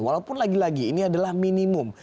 walaupun lagi lagi ini adalah minimum